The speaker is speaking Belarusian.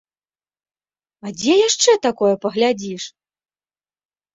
А дзе яшчэ такое паглядзіш?